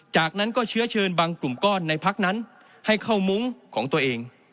จากนั้นก็เชื้อเชิญบางกลุ่มก้อนในพักนั้นให้เข้ามุ้งของตัวเอง